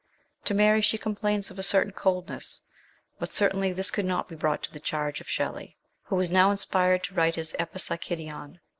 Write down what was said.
To Mary she complains of a certain coldness, but certainly this could not be brought to the charge of Shelley, who was now inspired to write his Epipsychidion.